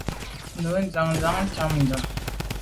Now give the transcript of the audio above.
Ndo ndia nnjam ndà.